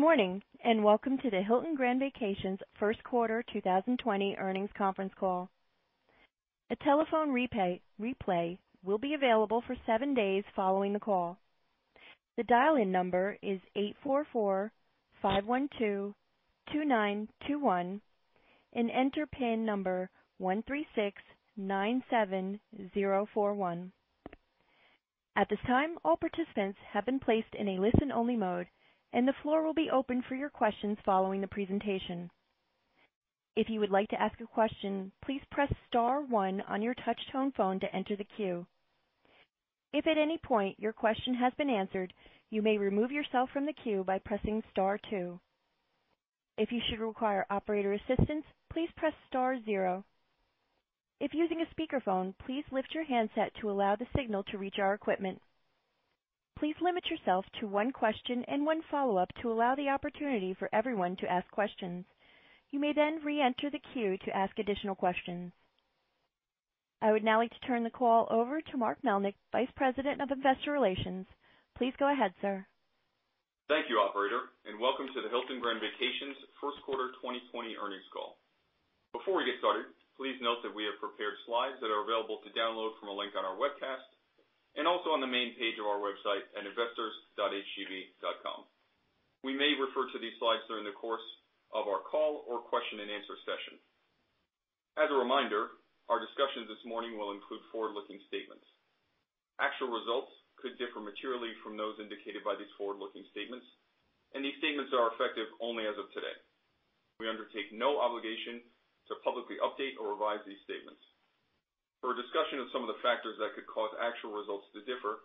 Good morning and welcome to the Hilton Grand Vacations first quarter 2020 earnings conference call. A telephone replay will be available for seven days following the call. The dial-in number is 844-512-2921 and enter PIN number 136-97-041. At this time, all participants have been placed in a listen-only mode, and the floor will be open for your questions following the presentation. If you would like to ask a question, please press star one on your touch-tone phone to enter the queue. If at any point your question has been answered, you may remove yourself from the queue by pressing star two. If you should require operator assistance, please press star zero. If using a speakerphone, please lift your handset to allow the signal to reach our equipment. Please limit yourself to one question and one follow-up to allow the opportunity for everyone to ask questions. You may then re-enter the queue to ask additional questions. I would now like to turn the call over to Mark Melnyk, Vice President of Investor Relations. Please go ahead, sir. Thank you, Operator, and welcome to the Hilton Grand Vacations First Quarter 2020 Earnings Call. Before we get started, please note that we have prepared slides that are available to download from a link on our webcast and also on the main page of our website at investors.hgv.com. We may refer to these slides during the course of our call or question-and-answer session. As a reminder, our discussion this morning will include forward-looking statements. Actual results could differ materially from those indicated by these forward-looking statements, and these statements are effective only as of today. We undertake no obligation to publicly update or revise these statements. For discussion of some of the factors that could cause actual results to differ,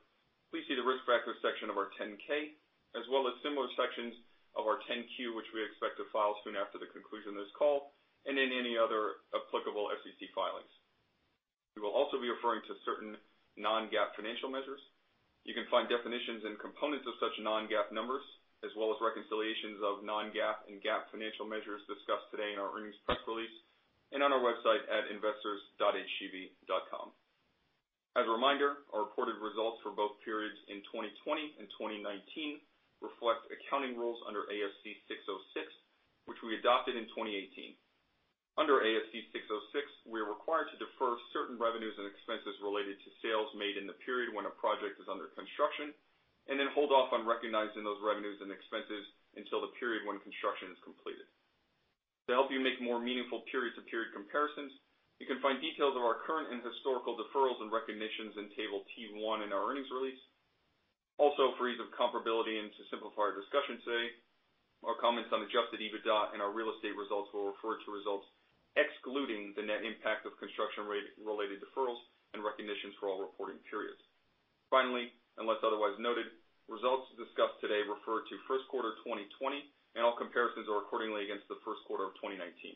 please see the risk factor section of our 10-K, as well as similar sections of our 10-Q, which we expect to file soon after the conclusion of this call and in any other applicable SEC filings. We will also be referring to certain non-GAAP financial measures. You can find definitions and components of such non-GAAP numbers, as well as reconciliations of non-GAAP and GAAP financial measures discussed today in our earnings press release and on our website at investors.hgv.com. As a reminder, our reported results for both periods in 2020 and 2019 reflect accounting rules under ASC 606, which we adopted in 2018. Under ASC 606, we are required to defer certain revenues and expenses related to sales made in the period when a project is under construction and then hold off on recognizing those revenues and expenses until the period when construction is completed. To help you make more meaningful period-to-period comparisons, you can find details of our current and historical deferrals and recognitions in table T1 in our earnings release. Also, for ease of comparability and to simplify our discussion today, our comments on adjusted EBITDA and our real estate results will refer to results excluding the net impact of construction-related deferrals and recognitions for all reporting periods. Finally, unless otherwise noted, results discussed today refer to first quarter 2020, and all comparisons are accordingly against the first quarter of 2019.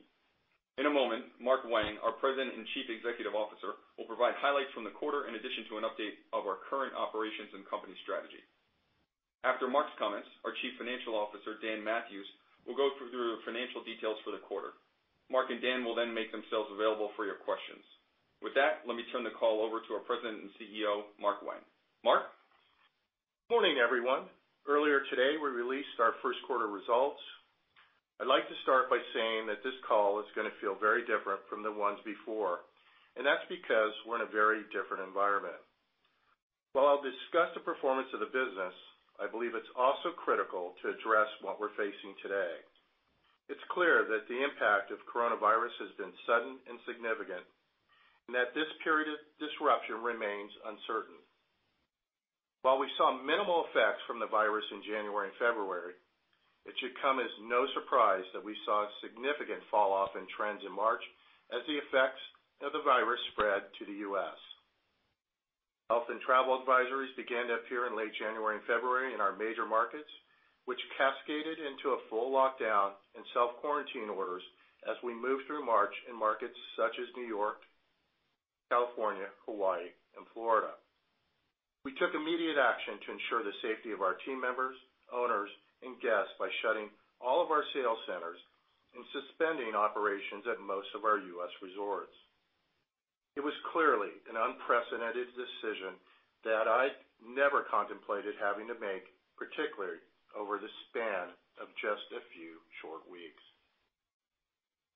In a moment, Mark Wang, our President and Chief Executive Officer, will provide highlights from the quarter in addition to an update of our current operations and company strategy. After Mark's comments, our Chief Financial Officer, Dan Mathewes, will go through the financial details for the quarter. Mark and Dan will then make themselves available for your questions. With that, let me turn the call over to our President and CEO, Mark Wang. Mark. Good morning, everyone. Earlier today, we released our first quarter results. I'd like to start by saying that this call is going to feel very different from the ones before, and that's because we're in a very different environment. While I'll discuss the performance of the business, I believe it's also critical to address what we're facing today. It's clear that the impact of coronavirus has been sudden and significant, and that this period of disruption remains uncertain. While we saw minimal effects from the virus in January and February, it should come as no surprise that we saw significant falloff in trends in March as the effects of the virus spread to the U.S. Health and travel advisories began to appear in late January and February in our major markets, which cascaded into a full lockdown and self-quarantine orders as we moved through March in markets such as New York, California, Hawaii, and Florida. We took immediate action to ensure the safety of our team members, owners, and guests by shutting all of our sales centers and suspending operations at most of our U.S. resorts. It was clearly an unprecedented decision that I never contemplated having to make, particularly over the span of just a few short weeks.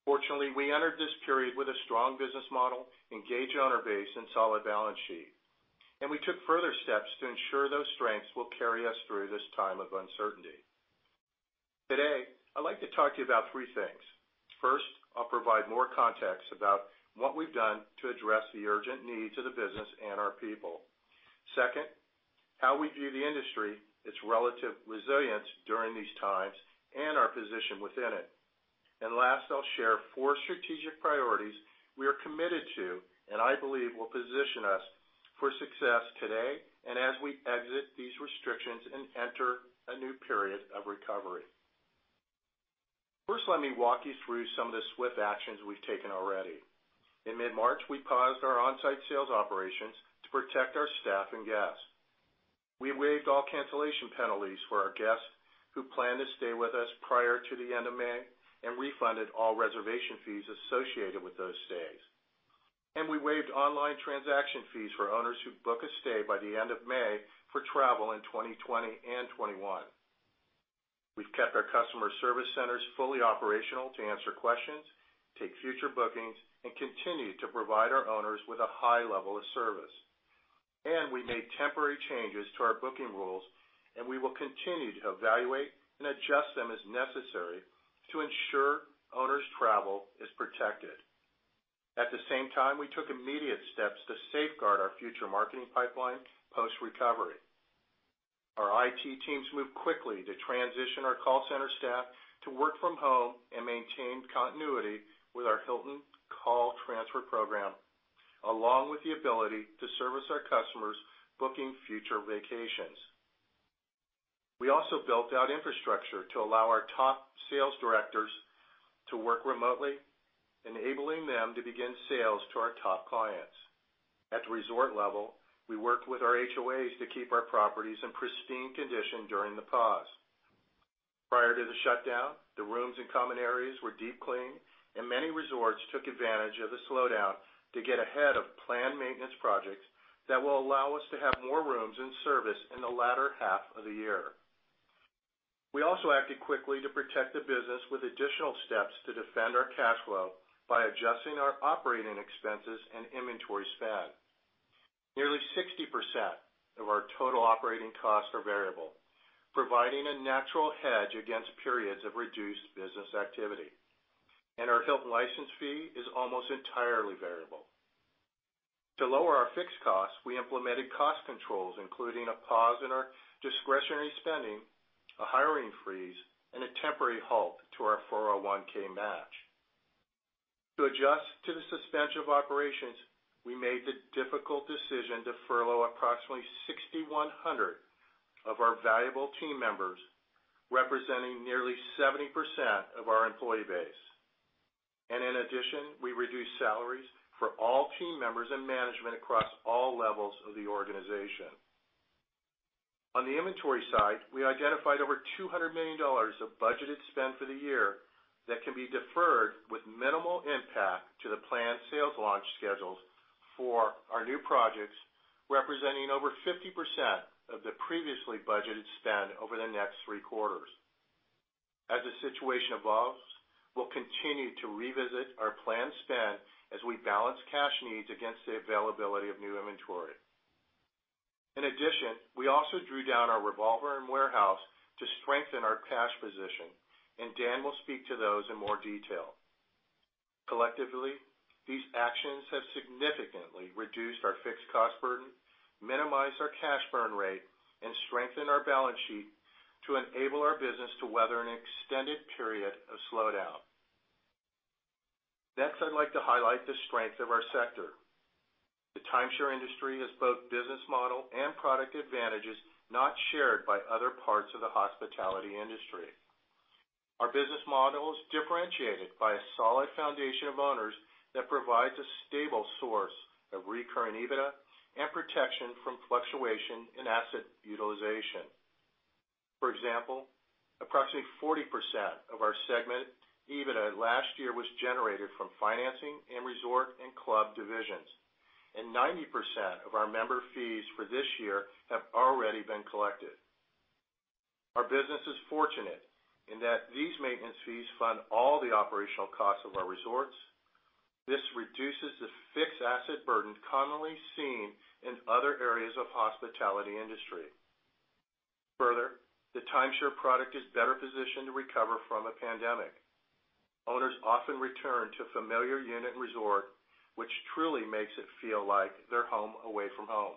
Fortunately, we entered this period with a strong business model, engaged owner base, and solid balance sheet, and we took further steps to ensure those strengths will carry us through this time of uncertainty. Today, I'd like to talk to you about three things. First, I'll provide more context about what we've done to address the urgent needs of the business and our people. Second, how we view the industry, its relative resilience during these times, and our position within it. And last, I'll share four strategic priorities we are committed to and I believe will position us for success today and as we exit these restrictions and enter a new period of recovery. First, let me walk you through some of the swift actions we've taken already. In mid-March, we paused our onsite sales operations to protect our staff and guests. We waived all cancellation penalties for our guests who planned to stay with us prior to the end of May and refunded all reservation fees associated with those stays. And we waived online transaction fees for owners who book a stay by the end of May for travel in 2020 and 2021. We've kept our customer service centers fully operational to answer questions, take future bookings, and continue to provide our owners with a high level of service. We made temporary changes to our booking rules, and we will continue to evaluate and adjust them as necessary to ensure owners' travel is protected. At the same time, we took immediate steps to safeguard our future marketing pipeline post-recovery. Our IT teams moved quickly to transition our call center staff to work from home and maintain continuity with our Hilton call transfer program, along with the ability to service our customers booking future vacations. We also built out infrastructure to allow our top sales directors to work remotely, enabling them to begin sales to our top clients. At the resort level, we worked with our HOAs to keep our properties in pristine condition during the pause. Prior to the shutdown, the rooms and common areas were deep cleaned, and many resorts took advantage of the slowdown to get ahead of planned maintenance projects that will allow us to have more rooms in service in the latter half of the year. We also acted quickly to protect the business with additional steps to defend our cash flow by adjusting our operating expenses and inventory spend. Nearly 60% of our total operating costs are variable, providing a natural hedge against periods of reduced business activity, and our Hilton license fee is almost entirely variable. To lower our fixed costs, we implemented cost controls, including a pause in our discretionary spending, a hiring freeze, and a temporary halt to our 401(k) match. To adjust to the suspension of operations, we made the difficult decision to furlough approximately 6,100 of our valuable team members, representing nearly 70% of our employee base. In addition, we reduced salaries for all team members and management across all levels of the organization. On the inventory side, we identified over $200 million of budgeted spend for the year that can be deferred with minimal impact to the planned sales launch schedules for our new projects, representing over 50% of the previously budgeted spend over the next three quarters. As the situation evolves, we'll continue to revisit our planned spend as we balance cash needs against the availability of new inventory. In addition, we also drew down our revolver and warehouse to strengthen our cash position, and Dan will speak to those in more detail. Collectively, these actions have significantly reduced our fixed cost burden, minimized our cash burn rate, and strengthened our balance sheet to enable our business to weather an extended period of slowdown. Next, I'd like to highlight the strength of our sector. The timeshare industry has both business model and product advantages not shared by other parts of the hospitality industry. Our business model is differentiated by a solid foundation of owners that provides a stable source of recurring EBITDA and protection from fluctuation in asset utilization. For example, approximately 40% of our segment EBITDA last year was generated from financing and resort and club divisions, and 90% of our member fees for this year have already been collected. Our business is fortunate in that these maintenance fees fund all the operational costs of our resorts. This reduces the fixed asset burden commonly seen in other areas of the hospitality industry. Further, the timeshare product is better positioned to recover from a pandemic. Owners often return to a familiar unit and resort, which truly makes it feel like they're home away from home.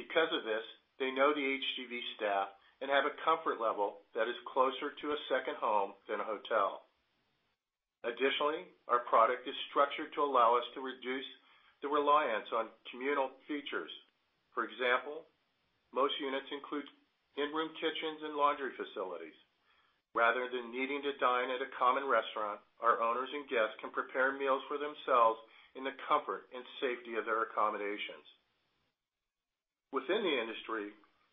Because of this, they know the HGV staff and have a comfort level that is closer to a second home than a hotel. Additionally, our product is structured to allow us to reduce the reliance on communal features. For example, most units include in-room kitchens and laundry facilities. Rather than needing to dine at a common restaurant, our owners and guests can prepare meals for themselves in the comfort and safety of their accommodations. Within the industry,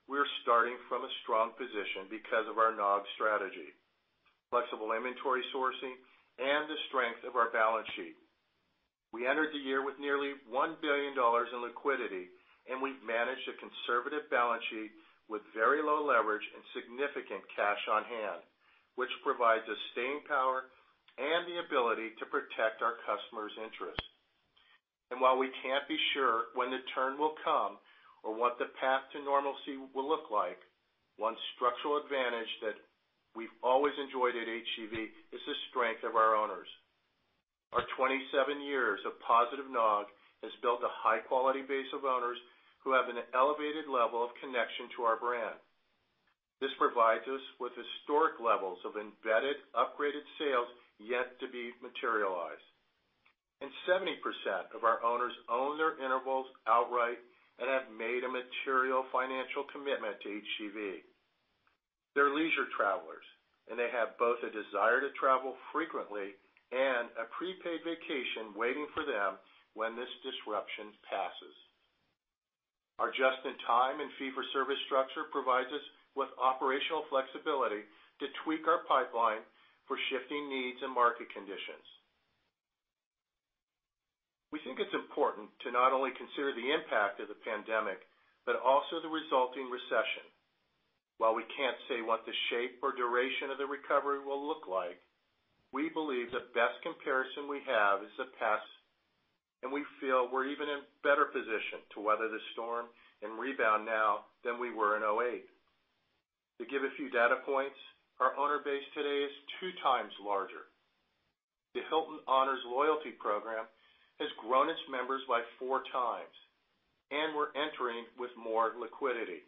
we are starting from a strong position because of our NOG strategy, flexible inventory sourcing, and the strength of our balance sheet. We entered the year with nearly $1 billion in liquidity, and we've managed a conservative balance sheet with very low leverage and significant cash on hand, which provides us staying power and the ability to protect our customers' interests. And while we can't be sure when the turn will come or what the path to normalcy will look like, one structural advantage that we've always enjoyed at HGV is the strength of our owners. Our 27 years of positive NOG has built a high-quality base of owners who have an elevated level of connection to our brand. This provides us with historic levels of embedded, upgraded sales yet to be materialized. And 70% of our owners own their intervals outright and have made a material financial commitment to HGV. They're leisure travelers, and they have both a desire to travel frequently and a prepaid vacation waiting for them when this disruption passes. Our just-in-time and fee-for-service structure provides us with operational flexibility to tweak our pipeline for shifting needs and market conditions. We think it's important to not only consider the impact of the pandemic but also the resulting recession. While we can't say what the shape or duration of the recovery will look like, we believe the best comparison we have is the past, and we feel we're even in better position to weather the storm and rebound now than we were in 2008. To give a few data points, our owner base today is two times larger. The Hilton Honors Loyalty Program has grown its members by 4x, and we're entering with more liquidity.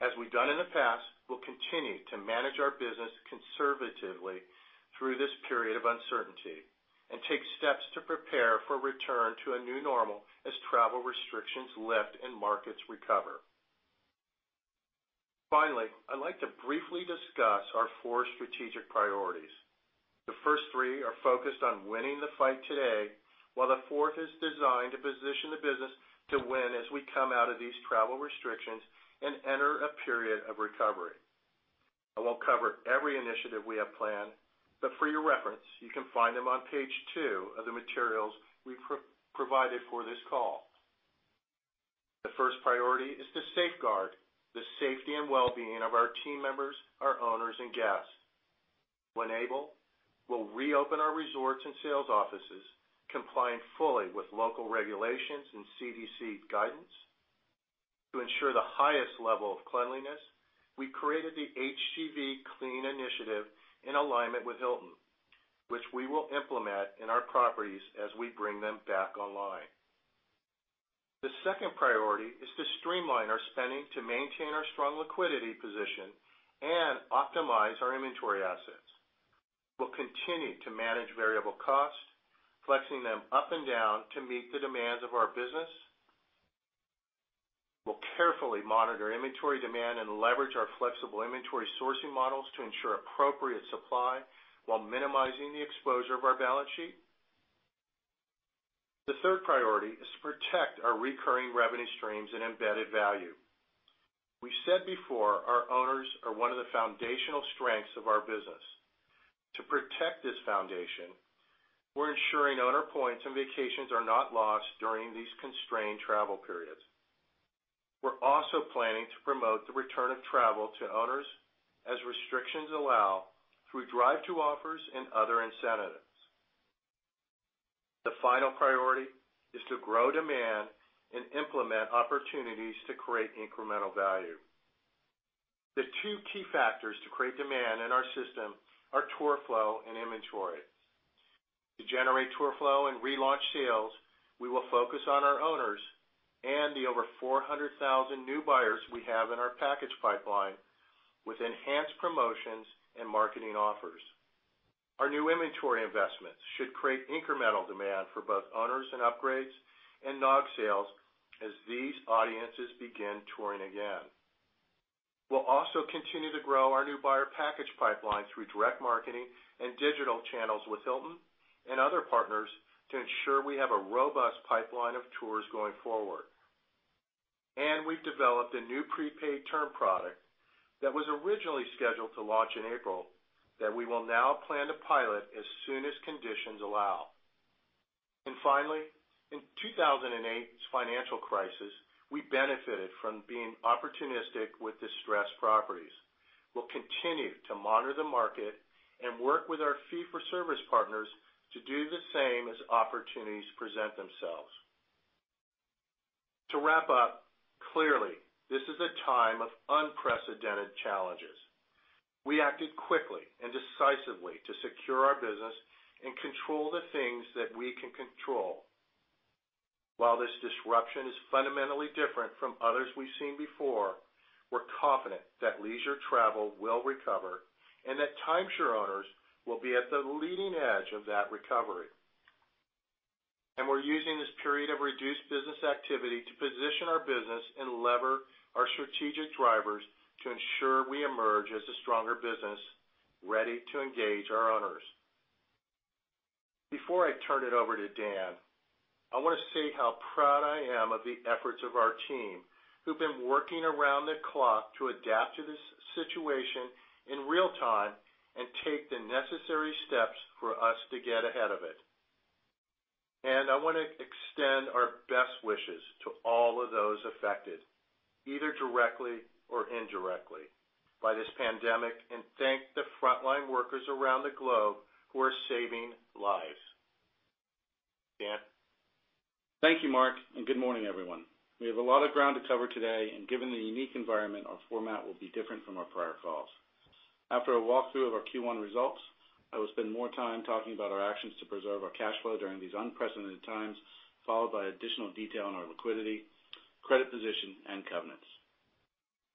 As we've done in the past, we'll continue to manage our business conservatively through this period of uncertainty and take steps to prepare for a return to a new normal as travel restrictions lift and markets recover. Finally, I'd like to briefly discuss our four strategic priorities. The first three are focused on winning the fight today, while the fourth is designed to position the business to win as we come out of these travel restrictions and enter a period of recovery. I won't cover every initiative we have planned, but for your reference, you can find them on page two of the materials we've provided for this call. The first priority is to safeguard the safety and well-being of our team members, our owners, and guests. When able, we'll reopen our resorts and sales offices, complying fully with local regulations and CDC guidance. To ensure the highest level of cleanliness, we created the HGV Clean initiative in alignment with Hilton, which we will implement in our properties as we bring them back online. The second priority is to streamline our spending to maintain our strong liquidity position and optimize our inventory assets. We'll continue to manage variable costs, flexing them up and down to meet the demands of our business. We'll carefully monitor inventory demand and leverage our flexible inventory sourcing models to ensure appropriate supply while minimizing the exposure of our balance sheet. The third priority is to protect our recurring revenue streams and embedded value. We've said before our owners are one of the foundational strengths of our business. To protect this foundation, we're ensuring owner points and vacations are not lost during these constrained travel periods. We're also planning to promote the return of travel to owners as restrictions allow through drive-to offers and other incentives. The final priority is to grow demand and implement opportunities to create incremental value. The two key factors to create demand in our system are tour flow and inventory. To generate tour flow and relaunch sales, we will focus on our owners and the over 400,000 new buyers we have in our package pipeline with enhanced promotions and marketing offers. Our new inventory investments should create incremental demand for both owners and upgrades and NOG sales as these audiences begin touring again. We'll also continue to grow our new buyer package pipeline through direct marketing and digital channels with Hilton and other partners to ensure we have a robust pipeline of tours going forward. And we've developed a new prepaid term product that was originally scheduled to launch in April that we will now plan to pilot as soon as conditions allow. And finally, in 2008's financial crisis, we benefited from being opportunistic with distressed properties. We'll continue to monitor the market and work with our fee-for-service partners to do the same as opportunities present themselves. To wrap up, clearly, this is a time of unprecedented challenges. We acted quickly and decisively to secure our business and control the things that we can control. While this disruption is fundamentally different from others we've seen before, we're confident that leisure travel will recover and that timeshare owners will be at the leading edge of that recovery. We're using this period of reduced business activity to position our business and lever our strategic drivers to ensure we emerge as a stronger business ready to engage our owners. Before I turn it over to Dan, I want to say how proud I am of the efforts of our team who've been working around the clock to adapt to this situation in real time and take the necessary steps for us to get ahead of it. I want to extend our best wishes to all of those affected, either directly or indirectly, by this pandemic and thank the frontline workers around the globe who are saving lives. Dan. Thank you, Mark, and good morning, everyone. We have a lot of ground to cover today, and given the unique environment, our format will be different from our prior calls. After a walkthrough of our Q1 results, I will spend more time talking about our actions to preserve our cash flow during these unprecedented times, followed by additional detail on our liquidity, credit position, and covenants.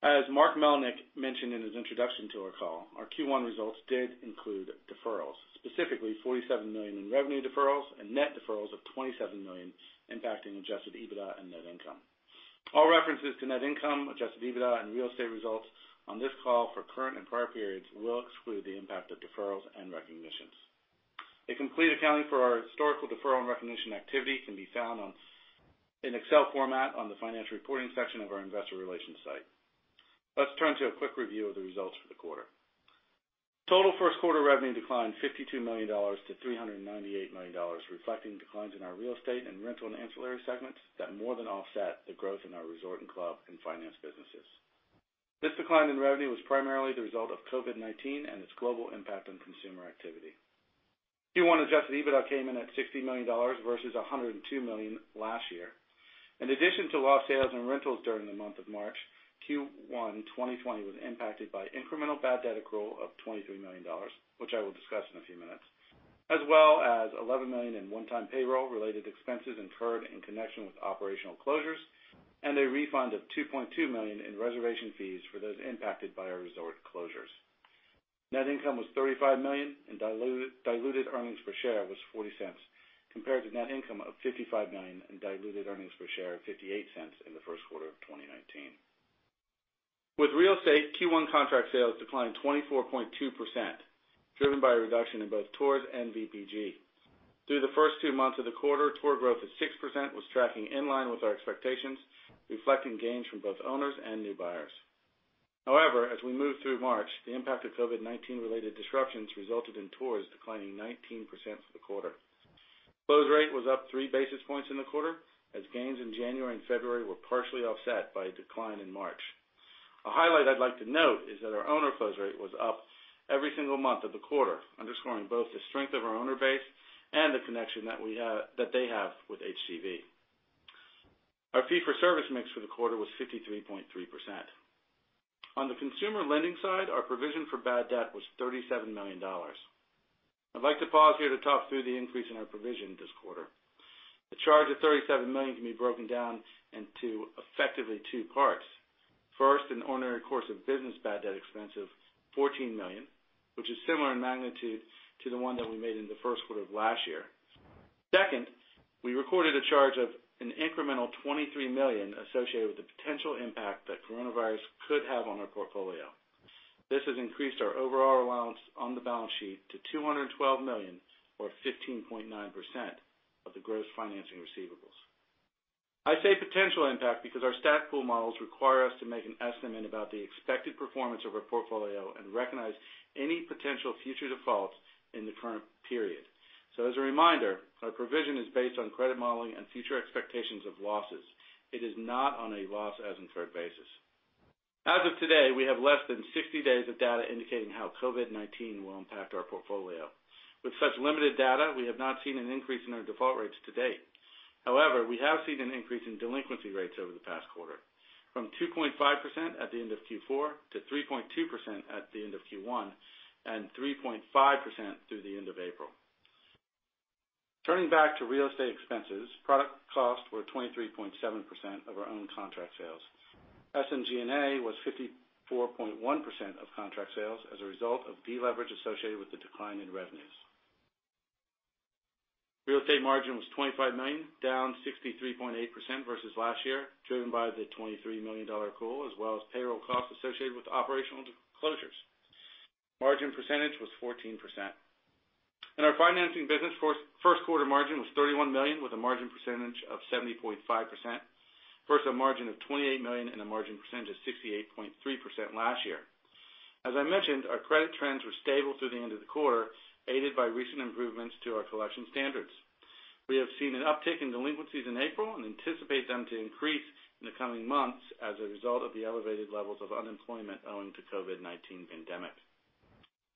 As Mark Melnyk mentioned in his introduction to our call, our Q1 results did include deferrals, specifically $47 million in revenue deferrals and net deferrals of $27 million, impacting Adjusted EBITDA and net income. All references to net income, Adjusted EBITDA, and real estate results on this call for current and prior periods will exclude the impact of deferrals and recognitions. A complete accounting for our historical deferral and recognition activity can be found in Excel format on the Financial Reporting section of our investor relations site. Let's turn to a quick review of the results for the quarter. Total first quarter revenue declined $52 million-$398 million, reflecting declines in our real estate and rental and ancillary segments that more than offset the growth in our resort and club and finance businesses. This decline in revenue was primarily the result of COVID-19 and its global impact on consumer activity. Q1 adjusted EBITDA came in at $60 million versus $102 million last year. In addition to lost sales and rentals during the month of March, Q1 2020 was impacted by incremental bad debt accrual of $23 million, which I will discuss in a few minutes, as well as $11 million in one-time payroll-related expenses incurred in connection with operational closures and a refund of $2.2 million in reservation fees for those impacted by our resort closures. Net income was $35 million, and diluted earnings per share was $0.40, compared to net income of $55 million and diluted earnings per share of $0.58 in the first quarter of 2019. With real estate, Q1 contract sales declined 24.2%, driven by a reduction in both tours and VPG. Through the first two months of the quarter, tour growth of 6% was tracking in line with our expectations, reflecting gains from both owners and new buyers. However, as we moved through March, the impact of COVID-19-related disruptions resulted in tours declining 19% for the quarter. Close rate was up three basis points in the quarter, as gains in January and February were partially offset by a decline in March. A highlight I'd like to note is that our owner close rate was up every single month of the quarter, underscoring both the strength of our owner base and the connection that they have with HGV. Our fee-for-service mix for the quarter was 53.3%. On the consumer lending side, our provision for bad debt was $37 million. I'd like to pause here to talk through the increase in our provision this quarter. The charge of $37 million can be broken down into effectively two parts. First, an ordinary course of business bad debt expense $14 million, which is similar in magnitude to the one that we made in the first quarter of last year. Second, we recorded a charge of an incremental $23 million associated with the potential impact that coronavirus could have on our portfolio. This has increased our overall allowance on the balance sheet to $212 million, or 15.9% of the gross financing receivables. I say potential impact because our stack pool models require us to make an estimate about the expected performance of our portfolio and recognize any potential future defaults in the current period. So, as a reminder, our provision is based on credit modeling and future expectations of losses. It is not on a loss-as-incurred basis. As of today, we have less than 60 days of data indicating how COVID-19 will impact our portfolio. With such limited data, we have not seen an increase in our default rates to date. However, we have seen an increase in delinquency rates over the past quarter, from 2.5% at the end of Q4 to 3.2% at the end of Q1 and 3.5% through the end of April. Turning back to real estate expenses, product costs were 23.7% of our own contract sales. SMG&A was 54.1% of contract sales as a result of deleverage associated with the decline in revenues. Real estate margin was $25 million, down 63.8% versus last year, driven by the $23 million accrual, as well as payroll costs associated with operational closures. Margin percentage was 14%. In our financing business, first quarter margin was $31 million, with a margin percentage of 70.5% versus a margin of $28 million and a margin percentage of 68.3% last year. As I mentioned, our credit trends were stable through the end of the quarter, aided by recent improvements to our collection standards. We have seen an uptick in delinquencies in April and anticipate them to increase in the coming months as a result of the elevated levels of unemployment owing to the COVID-19 pandemic.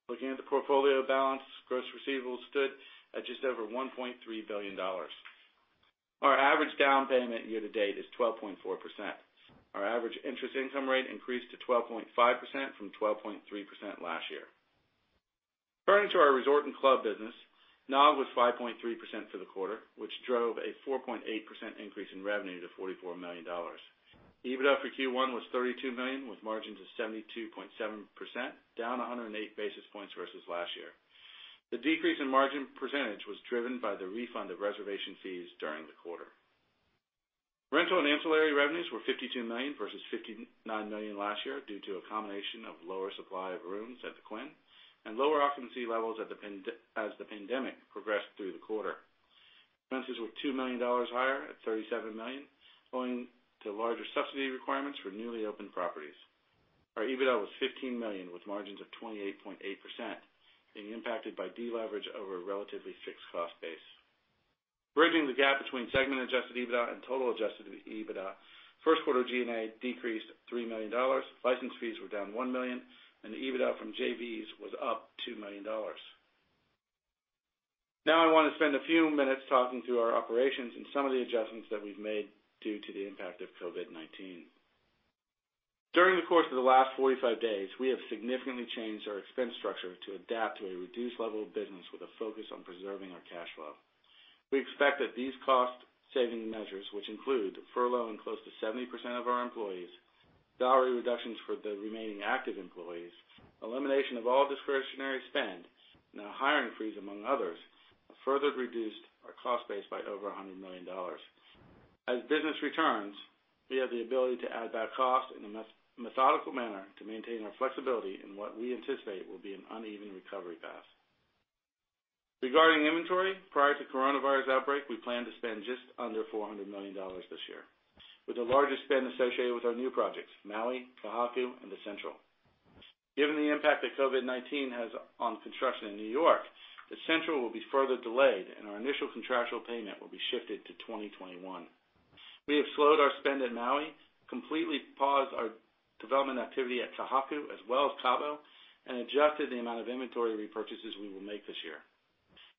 Looking at the portfolio balance, gross receivables stood at just over $1.3 billion. Our average down payment year to date is 12.4%. Our average interest income rate increased to 12.5% from 12.3% last year. Turning to our resort and club business, NOG was 5.3% for the quarter, which drove a 4.8% increase in revenue to $44 million. EBITDA for Q1 was $32 million, with margins of 72.7%, down 108 basis points versus last year. The decrease in margin percentage was driven by the refund of reservation fees during the quarter. Rental and ancillary revenues were $52 million vs $59 million last year due to a combination of lower supply of rooms at the Quin and lower occupancy levels as the pandemic progressed through the quarter. Rentals were $2 million higher at $37 million, owing to larger subsidy requirements for newly opened properties. Our EBITDA was $15 million, with margins of 28.8%, being impacted by deleverage over a relatively fixed cost base. Bridging the gap between segment-adjusted EBITDA and total-adjusted EBITDA, first quarter G&A decreased $3 million, license fees were down $1 million, and EBITDA from JVs was up $2 million. Now, I want to spend a few minutes talking through our operations and some of the adjustments that we've made due to the impact of COVID-19. During the course of the last 45 days, we have significantly changed our expense structure to adapt to a reduced level of business with a focus on preserving our cash flow. We expect that these cost-saving measures, which include furloughing close to 70% of our employees, salary reductions for the remaining active employees, elimination of all discretionary spend, and our hiring freeze, among others, have further reduced our cost base by over $100 million. As business returns, we have the ability to add back costs in a methodical manner to maintain our flexibility in what we anticipate will be an uneven recovery path. Regarding inventory, prior to the coronavirus outbreak, we plan to spend just under $400 million this year, with the largest spend associated with our new projects: Maui, Ka Haku, and the Central. Given the impact that COVID-19 has on construction in New York, the Central will be further delayed, and our initial contractual payment will be shifted to 2021. We have slowed our spend at Maui, completely paused our development activity at Ka Haku, as well as Cabo, and adjusted the amount of inventory repurchases we will make this year.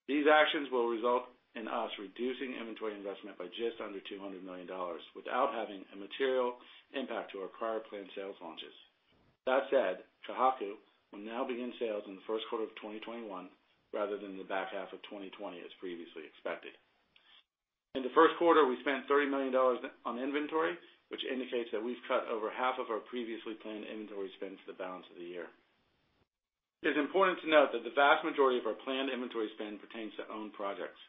These actions will result in us reducing inventory investment by just under $200 million without having a material impact to our prior planned sales launches. That said, Ka Haku will now begin sales in the first quarter of 2021 rather than the back half of 2020, as previously expected. In the first quarter, we spent $30 million on inventory, which indicates that we've cut over half of our previously planned inventory spend for the balance of the year. It is important to note that the vast majority of our planned inventory spend pertains to own projects.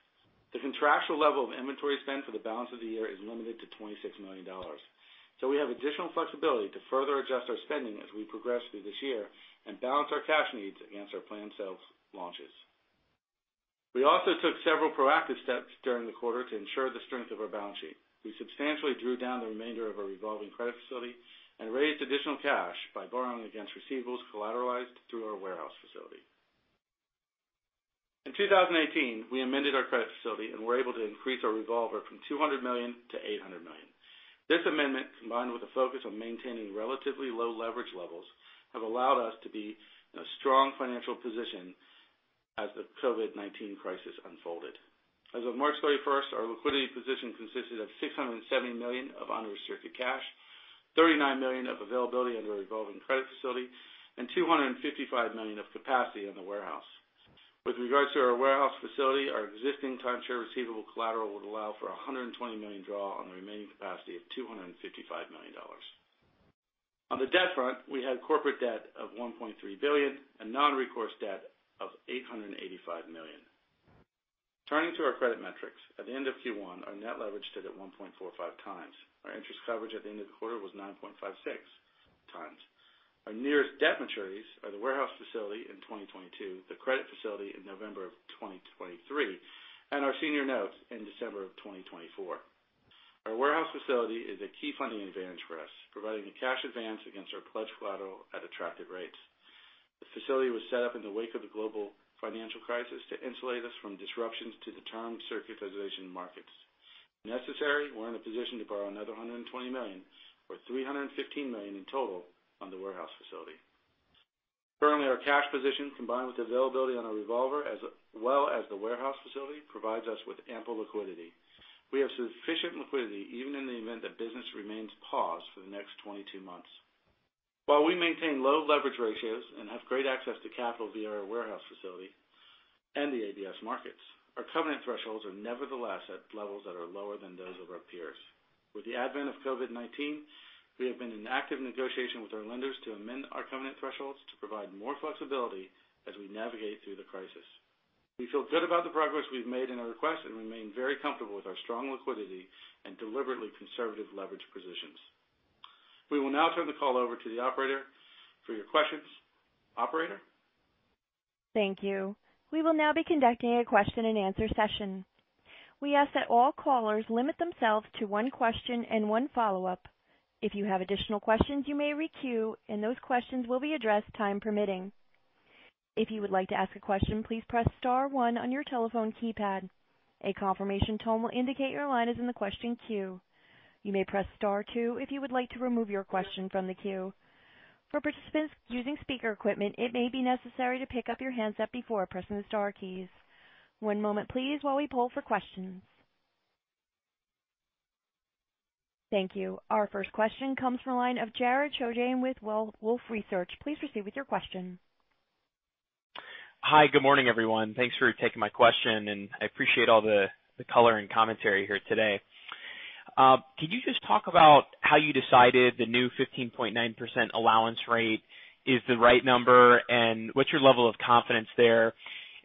The contractual level of inventory spend for the balance of the year is limited to $26 million. So we have additional flexibility to further adjust our spending as we progress through this year and balance our cash needs against our planned sales launches. We also took several proactive steps during the quarter to ensure the strength of our balance sheet. We substantially drew down the remainder of our revolving credit facility and raised additional cash by borrowing against receivables collateralized through our warehouse facility. In 2018, we amended our credit facility and were able to increase our revolver from $200 million-$800 million. This amendment, combined with a focus on maintaining relatively low leverage levels, has allowed us to be in a strong financial position as the COVID-19 crisis unfolded. As of March 31st, our liquidity position consisted of $670 million of unrestricted cash, $39 million of availability under our revolving credit facility, and $255 million of capacity on the warehouse. With regards to our warehouse facility, our existing timeshare receivable collateral would allow for a $120 million draw on the remaining capacity of $255 million. On the debt front, we had corporate debt of $1.3 billion and non-recourse debt of $885 million. Turning to our credit metrics, at the end of Q1, our net leverage stood at 1.45 times. Our interest coverage at the end of the quarter was 9.56 times. Our nearest debt maturities are the warehouse facility in 2022, the credit facility in November of 2023, and our senior notes in December of 2024. Our warehouse facility is a key funding advantage for us, providing a cash advance against our pledged collateral at attractive rates. The facility was set up in the wake of the global financial crisis to insulate us from disruptions to the term securitization markets. If necessary, we're in a position to borrow another $120 million or $315 million in total on the warehouse facility. Currently, our cash position, combined with availability on our revolver as well as the warehouse facility, provides us with ample liquidity. We have sufficient liquidity even in the event that business remains paused for the next 22 months. While we maintain low leverage ratios and have great access to capital via our warehouse facility and the ABS markets, our covenant thresholds are nevertheless at levels that are lower than those of our peers. With the advent of COVID-19, we have been in active negotiation with our lenders to amend our covenant thresholds to provide more flexibility as we navigate through the crisis. We feel good about the progress we've made in our request and remain very comfortable with our strong liquidity and deliberately conservative leverage positions. We will now turn the call over to the operator for your questions. Operator? Thank you. We will now be conducting a question-and-answer session. We ask that all callers limit themselves to one question and one follow-up. If you have additional questions, you may re-queue, and those questions will be addressed time permitting. If you would like to ask a question, please press Star 1 on your telephone keypad. A confirmation tone will indicate your line is in the question queue. You may press Star 2 if you would like to remove your question from the queue. For participants using speaker equipment, it may be necessary to pick up your handset before pressing the Star keys. One moment, please, while we poll for questions. Thank you. Our first question comes from a line of Jared Shojaian with Wolfe Research. Please proceed with your question. Hi. Good morning, everyone. Thanks for taking my question, and I appreciate all the color and commentary here today. Could you just talk about how you decided the new 15.9% allowance rate is the right number, and what's your level of confidence there?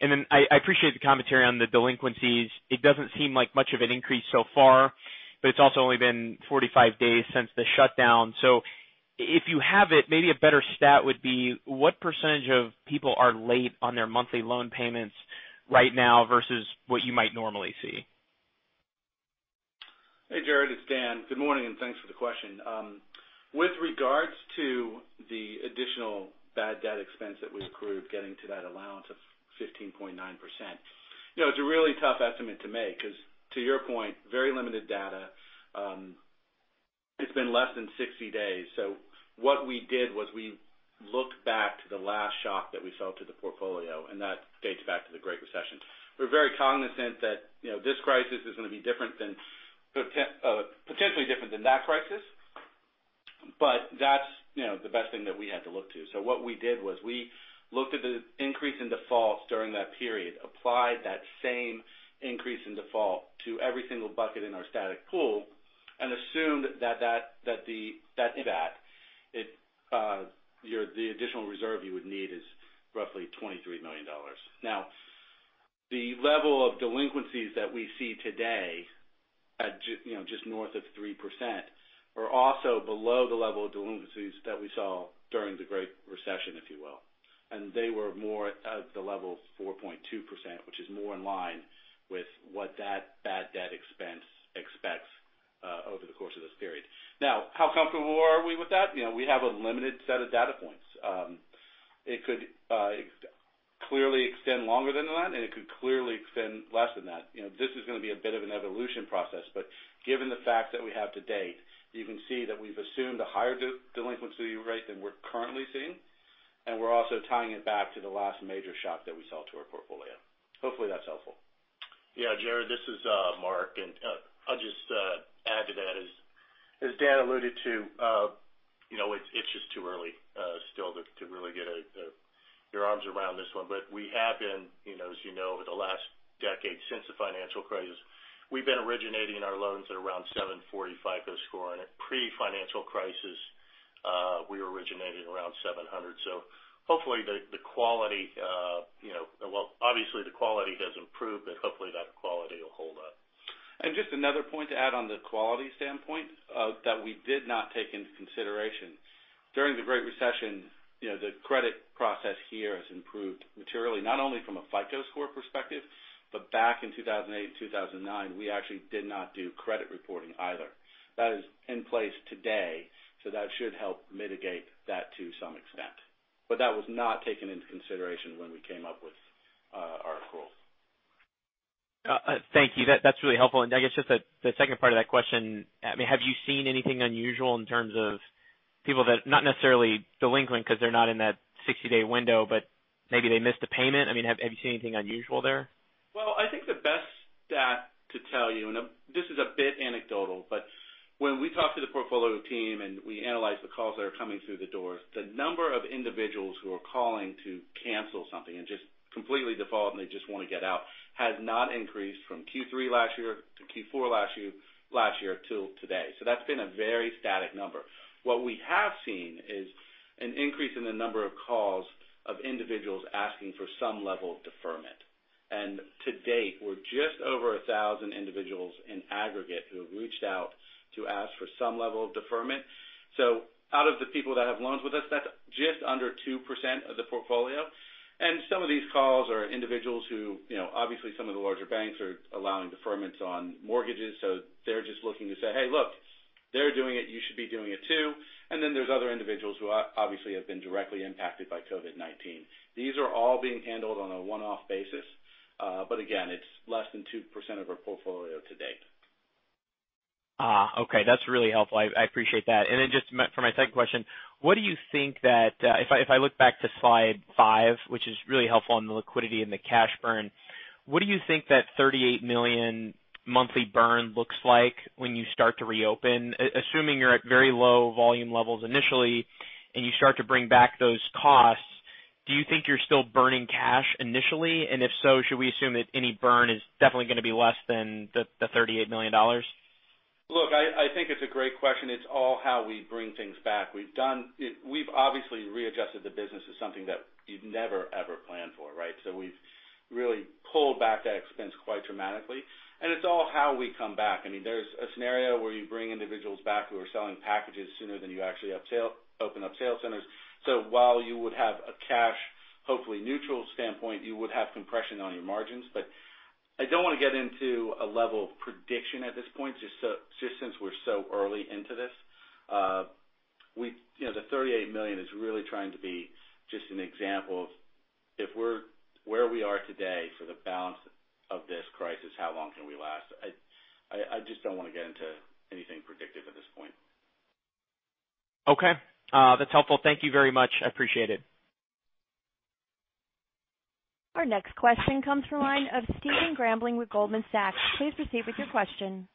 And then I appreciate the commentary on the delinquencies. It doesn't seem like much of an increase so far, but it's also only been 45 days since the shutdown. So if you have it, maybe a better stat would be what percentage of people are late on their monthly loan payments right now versus what you might normally see? Hey, Jared. It's Dan. Good morning, and thanks for the question. With regards to the additional bad debt expense that we accrued getting to that allowance of 15.9%, it's a really tough estimate to make because, to your point, very limited data. It's been less than 60 days. So what we did was we looked back to the last shock that we felt to the portfolio, and that dates back to the Great Recession. We're very cognizant that this crisis is going to be different than potentially different than that crisis, but that's the best thing that we had to look to. So what we did was we looked at the increase in defaults during that period, applied that same increase in default to every single bucket in our static pool, and assumed that the additional reserve you would need is roughly $23 million. Now, the level of delinquencies that we see today at just north of 3% are also below the level of delinquencies that we saw during the Great Recession, if you will. They were more at the level of 4.2%, which is more in line with what that bad debt expense expects over the course of this period. Now, how comfortable are we with that? We have a limited set of data points. It could clearly extend longer than that, and it could clearly extend less than that. This is going to be a bit of an evolution process, but given the fact that we have to date, you can see that we've assumed a higher delinquency rate than we're currently seeing, and we're also tying it back to the last major shock that we saw to our portfolio. Hopefully, that's helpful. Yeah, Jared, this is Mark, and I'll just add to that. As Dan alluded to, it's just too early still to really get your arms around this one. But we have been, as you know, over the last decade since the financial crisis, we've been originating our loans at around 745 FICO score, and pre-financial crisis, we originated around 700. So hopefully, the quality, well, obviously, the quality has improved, but hopefully, that quality will hold up. And just another point to add on the quality standpoint that we did not take into consideration. During the Great Recession, the credit process here has improved materially, not only from a FICO score perspective, but back in 2008 and 2009, we actually did not do credit reporting either. That is in place today, so that should help mitigate that to some extent. But that was not taken into consideration when we came up with our accrual. Thank you. That's really helpful. And I guess just the second part of that question, I mean, have you seen anything unusual in terms of people that are not necessarily delinquent because they're not in that 60-day window, but maybe they missed a payment? I mean, have you seen anything unusual there? Well, I think the best stat to tell you, and this is a bit anecdotal, but when we talk to the portfolio team and we analyze the calls that are coming through the doors, the number of individuals who are calling to cancel something and just completely default and they just want to get out has not increased from Q3 last year to Q4 last year till today. So that's been a very static number. What we have seen is an increase in the number of calls of individuals asking for some level of deferment. To date, we're just over 1,000 individuals in aggregate who have reached out to ask for some level of deferment. Out of the people that have loans with us, that's just under 2% of the portfolio. Some of these calls are individuals who, obviously, some of the larger banks are allowing deferments on mortgages, so they're just looking to say, "Hey, look, they're doing it. You should be doing it too." Then there's other individuals who obviously have been directly impacted by COVID-19. These are all being handled on a one-off basis. But again, it's less than 2% of our portfolio to date. Okay. That's really helpful. I appreciate that. And then just for my second question, what do you think that—if I look back to slide five, which is really helpful on the liquidity and the cash burn—what do you think that $38 million monthly burn looks like when you start to reopen? Assuming you're at very low volume levels initially and you start to bring back those costs, do you think you're still burning cash initially? And if so, should we assume that any burn is definitely going to be less than the $38 million? Look, I think it's a great question. It's all how we bring things back. We've obviously readjusted the business to something that you'd never, ever planned for, right? So we've really pulled back that expense quite dramatically. And it's all how we come back. I mean, there's a scenario where you bring individuals back who are selling packages sooner than you actually open up sales centers. So while you would have a cash, hopefully, neutral standpoint, you would have compression on your margins. But I don't want to get into a level of prediction at this point, just since we're so early into this. The $38 million is really trying to be just an example of where we are today for the balance of this crisis, how long can we last. I just don't want to get into anything predictive at this point. Okay. That's helpful. Thank you very much. I appreciate it. Our next question comes from a line of Steven Grambling with Goldman Sachs. Please proceed with your question.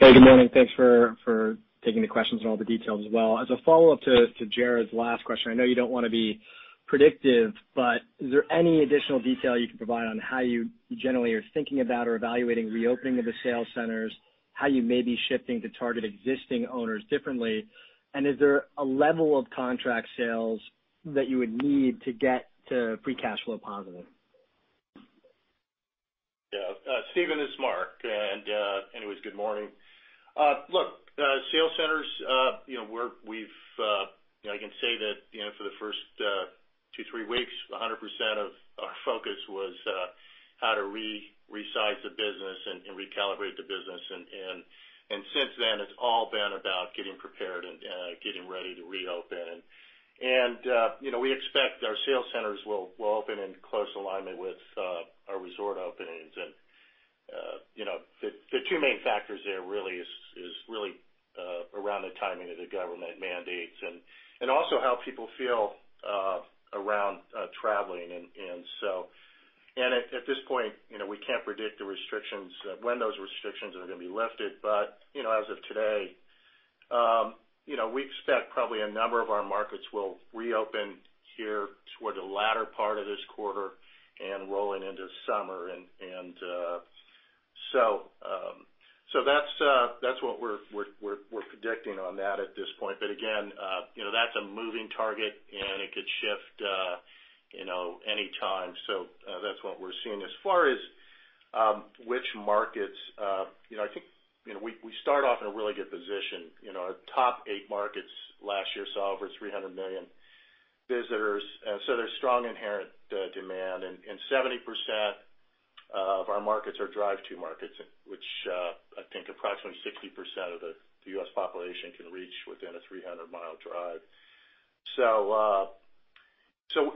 Hey, good morning. Thanks for taking the questions and all the details as well. As a follow-up to Jared's last question, I know you don't want to be predictive, but is there any additional detail you can provide on how you generally are thinking about or evaluating reopening of the sales centers, how you may be shifting to target existing owners differently, and is there a level of contract sales that you would need to get to pre-cash flow positive? Yeah. Steven, it's Mark, and anyways, good morning. Look, sales centers, we've, I can say that for the first two, three weeks, 100% of our focus was how to resize the business and recalibrate the business. And since then, it's all been about getting prepared and getting ready to reopen. And we expect our sales centers will open in close alignment with our resort openings. The two main factors there really are really around the timing of the government mandates and also how people feel around traveling. So at this point, we can't predict the restrictions, when those restrictions are going to be lifted. But as of today, we expect probably a number of our markets will reopen here toward the latter part of this quarter and rolling into summer. So that's what we're predicting on that at this point. But again, that's a moving target, and it could shift any time. So that's what we're seeing. As far as which markets, I think we start off in a really good position. Our top eight markets last year saw over 300 million visitors. So there's strong inherent demand. And 70% of our markets are drive-to markets, which I think approximately 60% of the U.S. population can reach within a 300-mile drive. So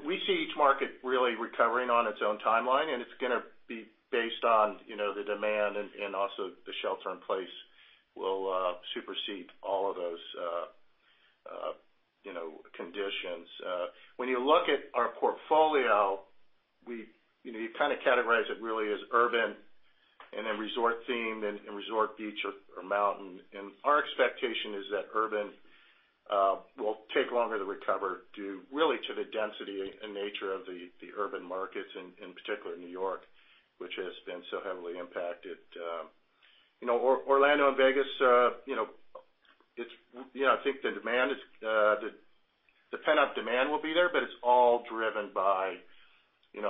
we see each market really recovering on its own timeline, and it's going to be based on the demand, and also the shelter-in-place will supersede all of those conditions. When you look at our portfolio, you kind of categorize it really as urban and then resort-themed and resort-beach or mountain. And our expectation is that urban will take longer to recover due really to the density and nature of the urban markets, in particular New York, which has been so heavily impacted. Orlando and Vegas, I think the demand, the pent-up demand will be there, but it's all driven by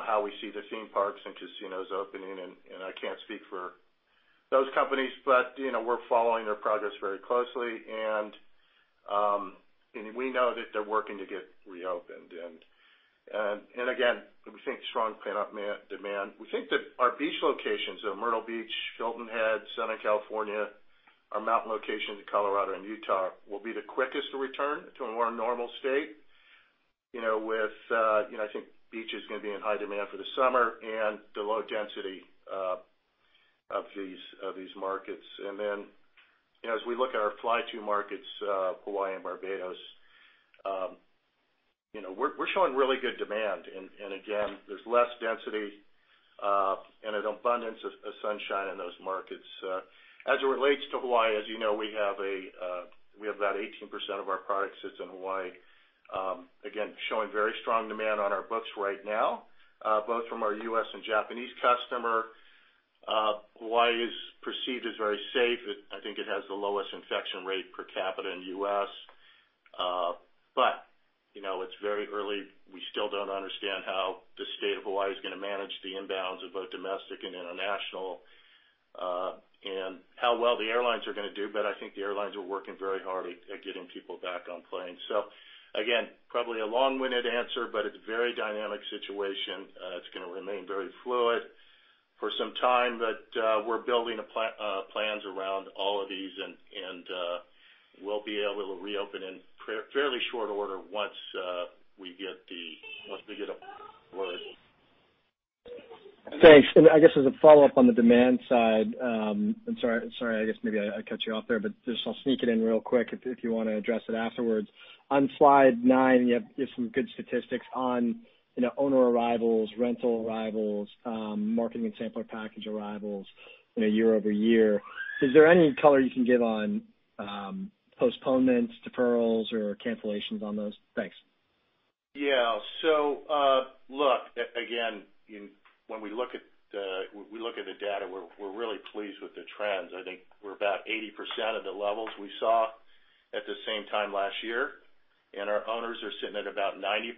how we see the theme parks and casinos opening. And I can't speak for those companies, but we're following their progress very closely. And we know that they're working to get reopened. And again, we think strong pent-up demand. We think that our beach locations, Myrtle Beach, Hilton Head, Southern California, our mountain locations in Colorado and Utah will be the quickest to return to a more normal state with, I think, beaches going to be in high demand for the summer and the low density of these markets. And then as we look at our fly-to markets, Hawaii and Barbados, we're showing really good demand. And again, there's less density and an abundance of sunshine in those markets. As it relates to Hawaii, as you know, we have about 18% of our products that's in Hawaii, again, showing very strong demand on our books right now, both from our U.S. and Japanese customer. Hawaii is perceived as very safe. I think it has the lowest infection rate per capita in the U.S. But it's very early. We still don't understand how the state of Hawaii is going to manage the inbounds of both domestic and international and how well the airlines are going to do. But I think the airlines are working very hard at getting people back on planes. So again, probably a long-winded answer, but it's a very dynamic situation. It's going to remain very fluid for some time, but we're building plans around all of these, and we'll be able to reopen in fairly short order once we get the word. Thanks. And I guess as a follow-up on the demand side—I'm sorry, I guess maybe I cut you off there, but just I'll sneak it in real quick if you want to address it afterwards. On slide nine, you have some good statistics on owner arrivals, rental arrivals, marketing and Sampler package arrivals year-over-year. Is there any color you can give on postponements, deferrals, or cancellations on those? Thanks. Yeah. So look, again, when we look at the data, we're really pleased with the trends. I think we're about 80% of the levels we saw at the same time last year, and our owners are sitting at about 90%.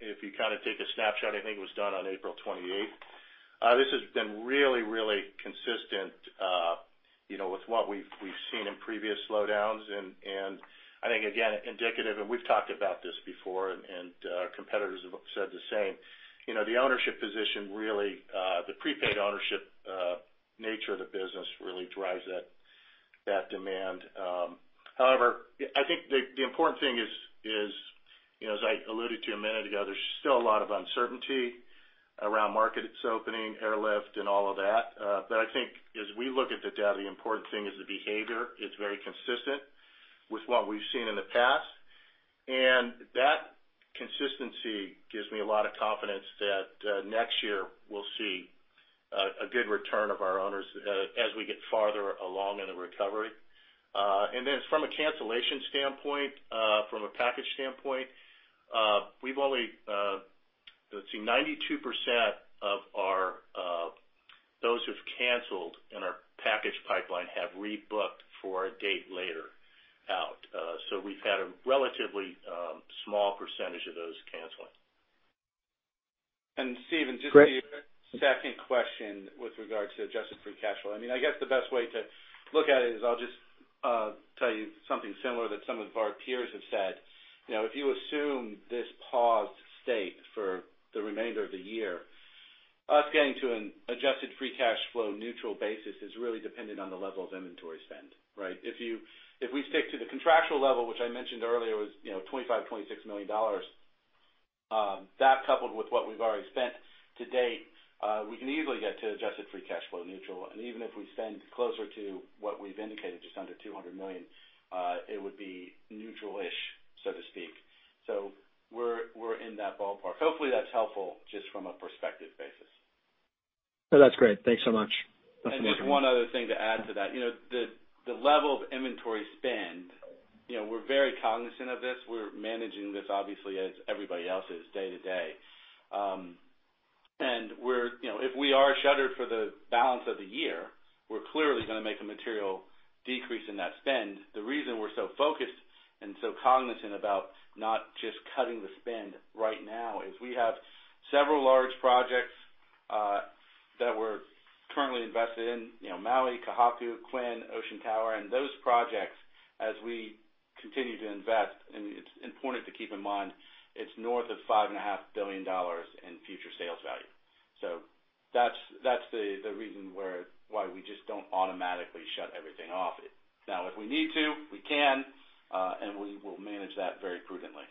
If you kind of take a snapshot, I think it was done on April 28th. This has been really, really consistent with what we've seen in previous slowdowns. And I think, again, indicative, and we've talked about this before, and competitors have said the same. The ownership position, really, the prepaid ownership nature of the business really drives that demand. However, I think the important thing is, as I alluded to a minute ago, there's still a lot of uncertainty around markets opening, airlift, and all of that. But I think as we look at the data, the important thing is the behavior. It's very consistent with what we've seen in the past. And that consistency gives me a lot of confidence that next year we'll see a good return of our owners as we get farther along in the recovery. And then from a cancellation standpoint, from a package standpoint, we've only, let's see, 92% of those who've canceled in our package pipeline have rebooked for a date later out. So we've had a relatively small percentage of those canceling. And Steven, just a second question with regard to adjusted free cash flow. I mean, I guess the best way to look at it is I'll just tell you something similar that some of our peers have said. If you assume this paused state for the remainder of the year, us getting to an adjusted free cash flow neutral basis is really dependent on the level of inventory spend, right? If we stick to the contractual level, which I mentioned earlier was $25 million-$26 million, that coupled with what we've already spent to date, we can easily get to adjusted free cash flow neutral. And even if we spend closer to what we've indicated, just under $200 million, it would be neutral-ish, so to speak. So we're in that ballpark. Hopefully, that's helpful just from a perspective basis. So that's great. Thanks so much. That's amazing. Just one other thing to add to that. The level of inventory spend, we're very cognizant of this. We're managing this, obviously, as everybody else is day to day. If we are shuttered for the balance of the year, we're clearly going to make a material decrease in that spend. The reason we're so focused and so cognizant about not just cutting the spend right now is we have several large projects that we're currently invested in: Maui, Ka Haku, Quinn, Ocean Tower. Those projects, as we continue to invest, and it's important to keep in mind, it's north of $5.5 billion in future sales value. So that's the reason why we just don't automatically shut everything off. Now, if we need to, we can, and we will manage that very prudently.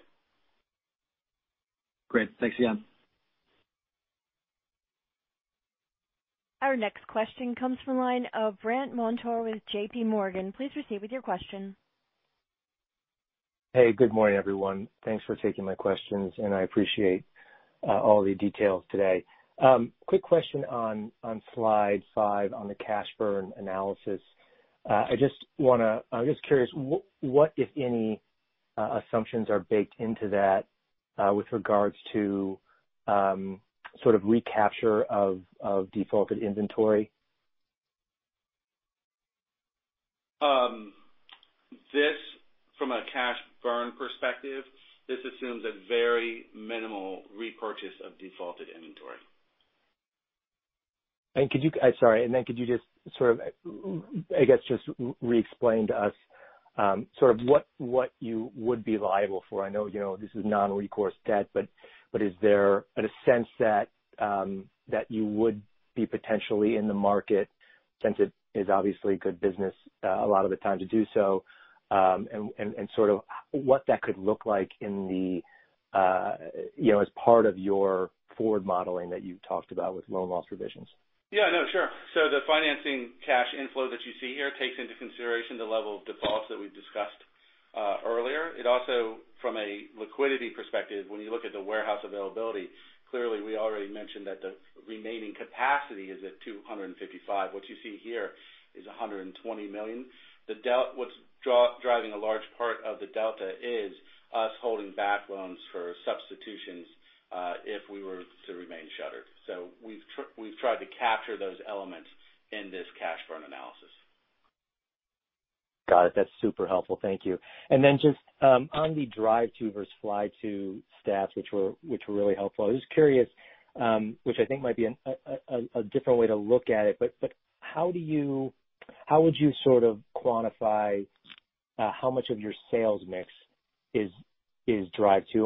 Great. Thanks again. Our next question comes from a line of Brent Montour with J.P. Morgan. Please proceed with your question. Hey, good morning, everyone. Thanks for taking my questions, and I appreciate all the details today. Quick question on slide five on the cash burn analysis. I just want to. I'm just curious, what, if any, assumptions are baked into that with regards to sort of recapture of defaulted inventory? From a cash burn perspective, this assumes a very minimal repurchase of defaulted inventory. And could you. Sorry. And then could you just sort of, I guess, just re-explain to us sort of what you would be liable for? I know this is non-recourse debt, but is there a sense that you would be potentially in the market since it is obviously good business a lot of the time to do so? And sort of what that could look like as part of your forward modeling that you talked about with loan loss revisions? Yeah. No, sure. So the financing cash inflow that you see here takes into consideration the level of defaults that we've discussed earlier. It also, from a liquidity perspective, when you look at the warehouse availability, clearly we already mentioned that the remaining capacity is at $255 million. What you see here is $120 million. What's driving a large part of the delta is us holding back loans for substitutions if we were to remain shuttered. So we've tried to capture those elements in this cash burn analysis. Got it. That's super helpful. Thank you. And then just on the drive-to versus fly-to stats, which were really helpful, I was curious, which I think might be a different way to look at it, but how would you sort of quantify how much of your sales mix is drive-to? And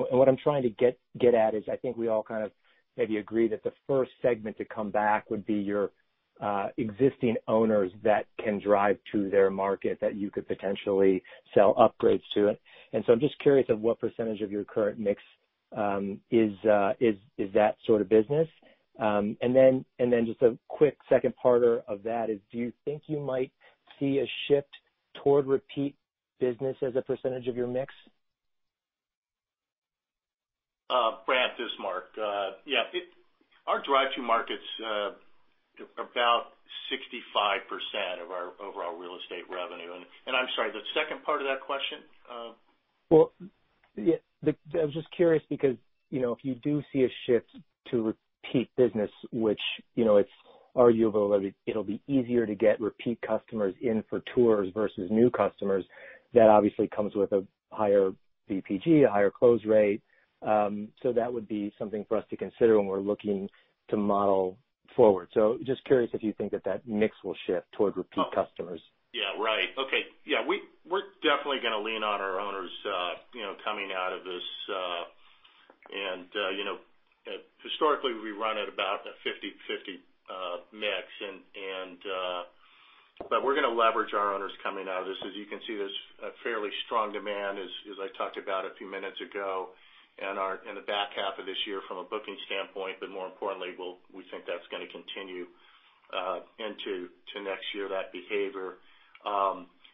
what I'm trying to get at is I think we all kind of maybe agree that the first segment to come back would be your existing owners that can drive to their market that you could potentially sell upgrades to. And so I'm just curious of what percentage of your current mix is that sort of business. And then just a quick second part of that is, do you think you might see a shift toward repeat business as a percentage of your mix? Brent, it's Mark. Yeah. Our drive-to market's about 65% of our overall real estate revenue. And I'm sorry, the second part of that question? Well, I was just curious because if you do see a shift to repeat business, which it's arguable that it'll be easier to get repeat customers in for tours versus new customers, that obviously comes with a higher VPG, a higher close rate. So that would be something for us to consider when we're looking to model forward. So just curious if you think that that mix will shift toward repeat customers. Yeah. Right. Okay. Yeah. We're definitely going to lean on our owners coming out of this. And historically, we run at about a 50/50 mix. But we're going to leverage our owners coming out of this. As you can see, there's a fairly strong demand, as I talked about a few minutes ago, in the back half of this year from a booking standpoint. But more importantly, we think that's going to continue into next year, that behavior.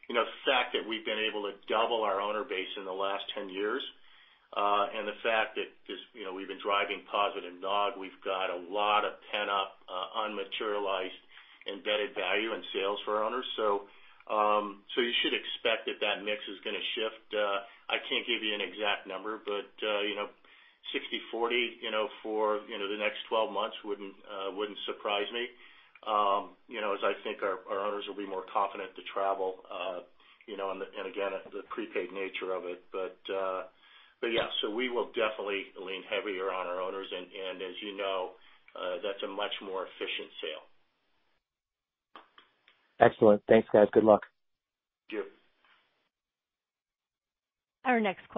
The fact that we've been able to double our owner base in the last 10 years and the fact that we've been driving positive NOG, we've got a lot of pent-up unmaterialized embedded value and sales for owners. So you should expect that that mix is going to shift. I can't give you an exact number, but 60/40 for the next 12 months wouldn't surprise me as I think our owners will be more confident to travel and, again, the prepaid nature of it. But yeah. So we will definitely lean heavier on our owners. And as you know, that's a much more efficient sale. Excellent. Thanks, guys. Good luck.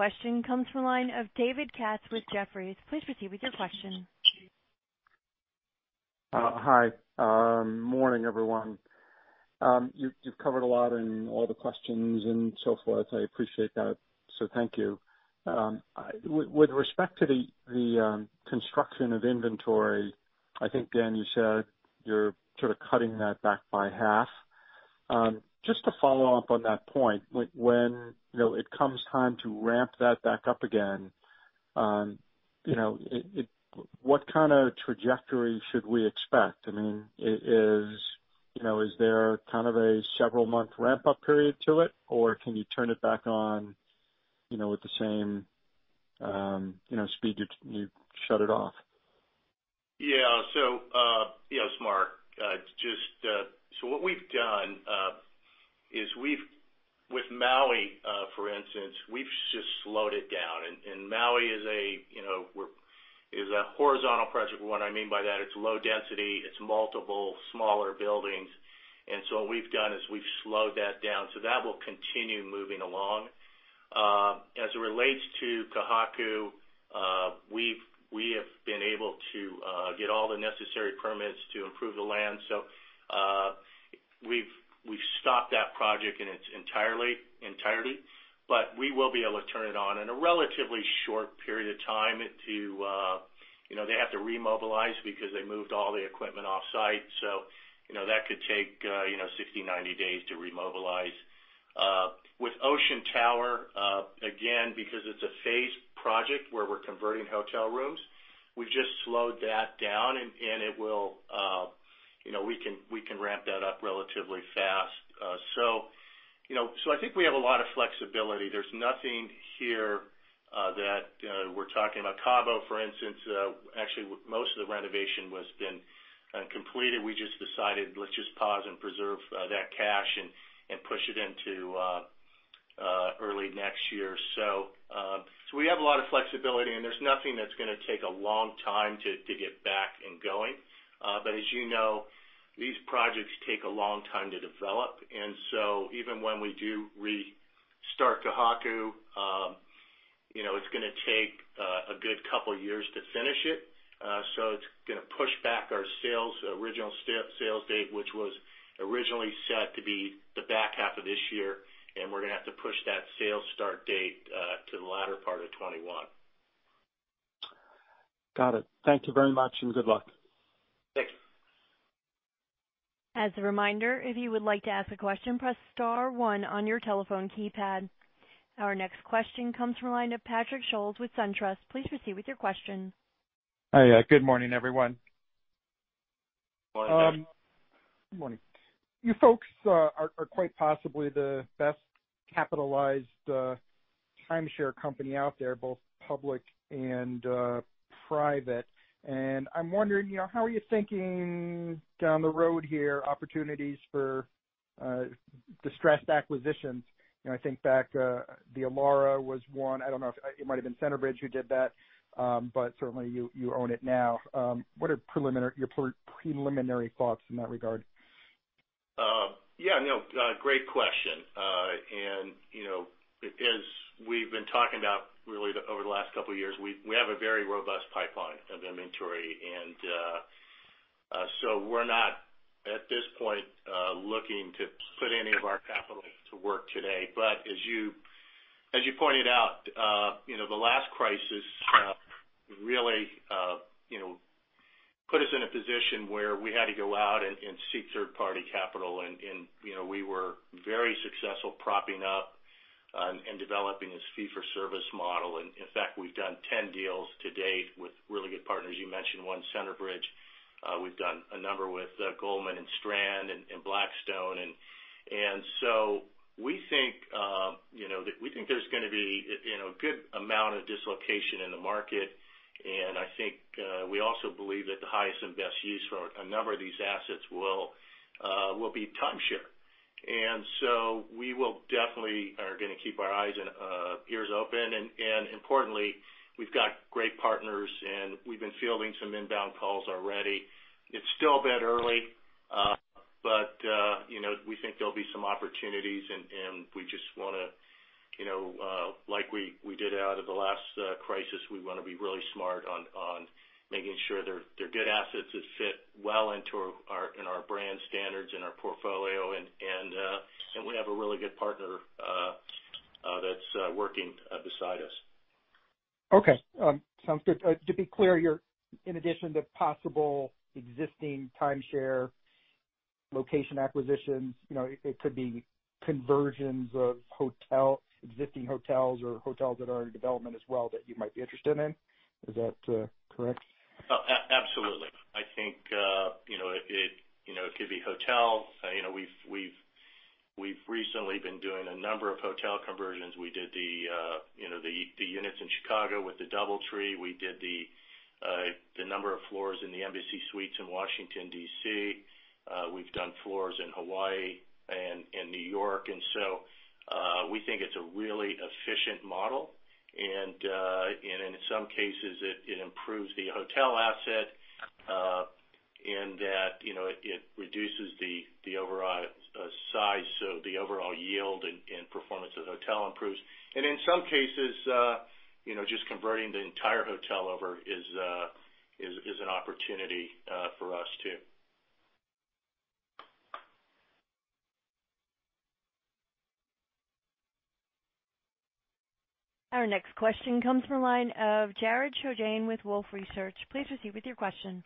You too. Our next question comes from a line of David Katz with Jefferies. Please proceed with your question. Hi. Morning, everyone. You've covered a lot in all the questions and so forth. I appreciate that. So thank you. With respect to the construction of inventory, I think, Dan, you said you're sort of cutting that back by half. Just to follow up on that point, when it comes time to ramp that back up again, what kind of trajectory should we expect? I mean, is there kind of a several-month ramp-up period to it, or can you turn it back on with the same speed you shut it off? Yeah. So yes, Mark. So what we've done is, with Maui, for instance, we've just slowed it down. And Maui is a, it's a horizontal project. What I mean by that, it's low density. It's multiple smaller buildings. And so what we've done is we've slowed that down. So that will continue moving along. As it relates to Ka Haku, we have been able to get all the necessary permits to improve the land. So we've stopped that project in its entirety. But we will be able to turn it on in a relatively short period of time to—they have to remobilize because they moved all the equipment off-site. So that could take 60, 90 days to remobilize. With Ocean Tower, again, because it's a phased project where we're converting hotel rooms, we've just slowed that down, and it will—we can ramp that up relatively fast. So I think we have a lot of flexibility. There's nothing here that we're talking about. Cabo, for instance, actually, most of the renovation was then completed. We just decided, "Let's just pause and preserve that cash and push it into early next year." So we have a lot of flexibility, and there's nothing that's going to take a long time to get back and going. But as you know, these projects take a long time to develop. And so even when we do restart Ka Haku, it's going to take a good couple of years to finish it. So it's going to push back our original sales date, which was originally set to be the back half of this year. And we're going to have to push that sales start date to the latter part of 2021. Got it. Thank you very much and good luck. Thank you. As a reminder, if you would like to ask a question, press star one on your telephone keypad. Our next question comes from a line of Patrick Scholes with SunTrust. Please proceed with your question. Hi. Good morning, everyone. Good morning, guys. Good morning. You folks are quite possibly the best capitalized timeshare company out there, both public and private. And I'm wondering, how are you thinking down the road here, opportunities for distressed acquisitions? I think back, the Elara was one. I don't know if it might have been Centerbridge who did that, but certainly, you own it now. What are your preliminary thoughts in that regard? Yeah. No, great question. And as we've been talking about really over the last couple of years, we have a very robust pipeline of inventory. And so we're not, at this point, looking to put any of our capital to work today. But as you pointed out, the last crisis really put us in a position where we had to go out and seek third-party capital. And we were very successful propping up and developing this fee-for-service model. And in fact, we've done 10 deals to date with really good partners. You mentioned one, Centerbridge. We've done a number with Goldman and Strand and Blackstone. We think that we think there's going to be a good amount of dislocation in the market. I think we also believe that the highest and best use for a number of these assets will be timeshare. We definitely are going to keep our eyes and ears open. Importantly, we've got great partners, and we've been fielding some inbound calls already. It's still a bit early, but we think there'll be some opportunities. We just want to, like we did out of the last crisis, we want to be really smart on making sure they're good assets that fit well into our brand standards and our portfolio. We have a really good partner that's working beside us. Okay. Sounds good. To be clear, in addition to possible existing timeshare location acquisitions, it could be conversions of existing hotels or hotels that are in development as well that you might be interested in. Is that correct? Absolutely. I think it could be hotels. We've recently been doing a number of hotel conversions. We did the units in Chicago with the DoubleTree. We did the number of floors in the Embassy Suites in Washington, D.C. We've done floors in Hawaii and New York. And so we think it's a really efficient model. And in some cases, it improves the hotel asset in that it reduces the overall size. So the overall yield and performance of the hotel improves. And in some cases, just converting the entire hotel over is an opportunity for us too. Our next question comes from a line of Jared Shojaian with Wolfe Research. Please proceed with your question.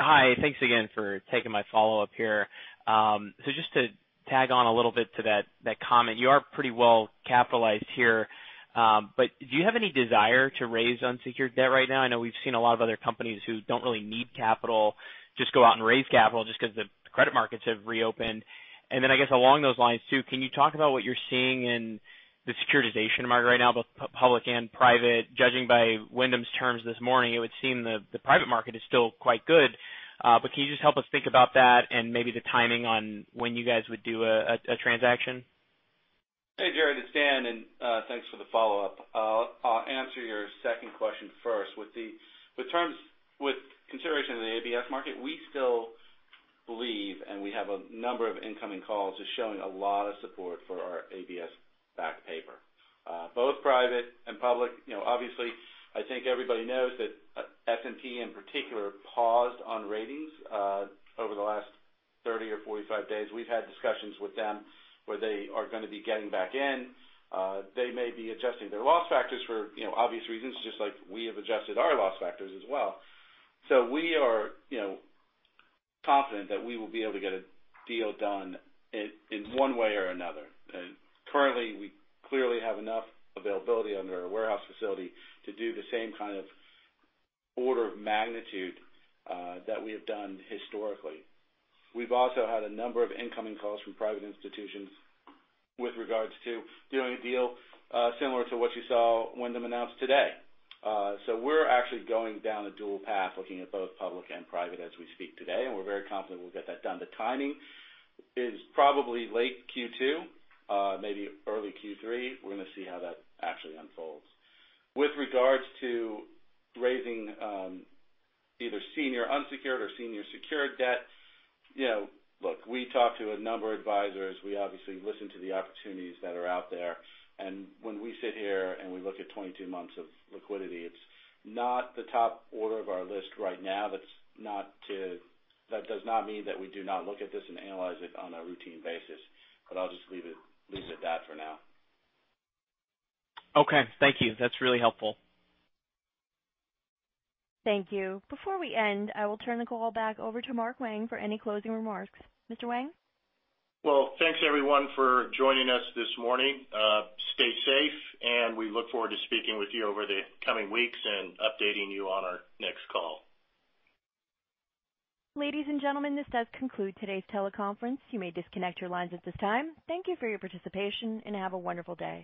Hi. Thanks again for taking my follow-up here. So just to tag on a little bit to that comment, you are pretty well capitalized here. But do you have any desire to raise unsecured debt right now? I know we've seen a lot of other companies who don't really need capital just go out and raise capital just because the credit markets have reopened. And then I guess along those lines too, can you talk about what you're seeing in the securitization market right now, both public and private? Judging by Wyndham's terms this morning, it would seem the private market is still quite good. But can you just help us think about that and maybe the timing on when you guys would do a transaction? Hey, Jared. It's Dan, and thanks for the follow-up. I'll answer your second question first. With consideration of the ABS market, we still believe, and we have a number of incoming calls just showing a lot of support for our ABS backed paper, both private and public. Obviously, I think everybody knows that S&P in particular paused on ratings over the last 30 or 45 days. We've had discussions with them where they are going to be getting back in. They may be adjusting their loss factors for obvious reasons, just like we have adjusted our loss factors as well. So we are confident that we will be able to get a deal done in one way or another. Currently, we clearly have enough availability under our warehouse facility to do the same kind of order of magnitude that we have done historically. We've also had a number of incoming calls from private institutions with regards to doing a deal similar to what you saw Wyndham announce today. So we're actually going down a dual path, looking at both public and private as we speak today. And we're very confident we'll get that done. The timing is probably late Q2, maybe early Q3. We're going to see how that actually unfolds. With regards to raising either senior unsecured or senior secured debt, look, we talked to a number of advisors. We obviously listen to the opportunities that are out there. And when we sit here and we look at 22 months of liquidity, it's not the top order of our list right now. That does not mean that we do not look at this and analyze it on a routine basis. But I'll just leave it at that for now. Okay. Thank you. That's really helpful. Thank you. Before we end, I will turn the call back over to Mark Wang for any closing remarks. Mr. Wang? Well, thanks, everyone, for joining us this morning. Stay safe, and we look forward to speaking with you over the coming weeks and updating you on our next call. Ladies and gentlemen, this does conclude today's teleconference. You may disconnect your lines at this time. Thank you for your participation, and have a wonderful day.